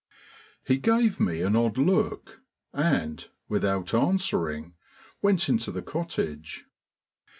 He gave me an odd look and, without answering, went into the cottage.